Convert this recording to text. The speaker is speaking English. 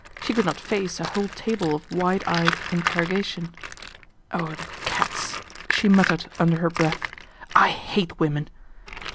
She could not face a whole table of wide eyed interrogation. " Oh, the cats !" she muttered under her breath. " I hate women